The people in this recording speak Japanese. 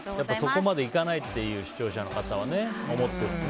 そこまでいかないという視聴者の方は思ってるんですね。